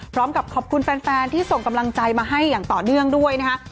พร้อมกับขอบคุณแฟนที่ส่งกำลังใจมาให้อย่างต่อเนื่องด้วยนะคะ